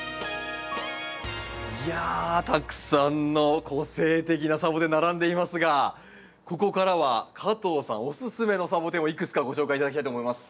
いやたくさんの個性的なサボテン並んでいますがここからは加藤さんおすすめのサボテンをいくつかご紹介頂きたいと思います。